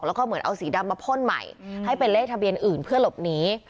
แล้วก็เหมือนเอาสีดำมาพ่นใหม่ให้เป็นเลขทะเบียนอื่นเพื่อหลบหนี